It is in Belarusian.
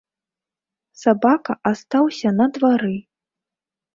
Сабака астаўся на двары.